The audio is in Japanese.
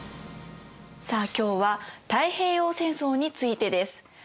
さあ今日は太平洋戦争についてです。